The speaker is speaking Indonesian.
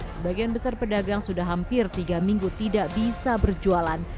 sebagian besar pedagang sudah hampir tiga minggu tidak bisa berjualan